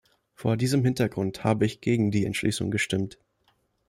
Vor diesem Hintergrund habe ich gegen die Entschließung gestimmt.